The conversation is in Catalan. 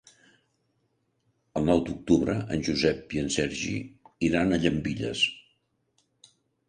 El nou d'octubre en Josep i en Sergi iran a Llambilles.